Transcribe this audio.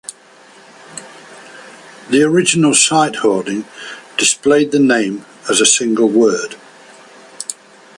The original site hoarding displayed the name as a single word.